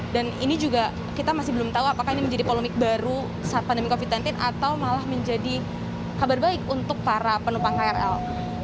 dan ini juga kita masih belum tahu apakah ini menjadi polemik baru saat pandemi covid sembilan belas atau malah menjadi kabar baik untuk para penumpang krl